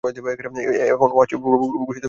এখন ওয়াহশী সেই পূর্ব ঘোষিত পুরস্কার নিতে এল।